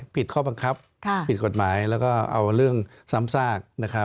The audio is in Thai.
ผิดข้อบังคับผิดกฎหมายแล้วก็เอาเรื่องซ้ำซาก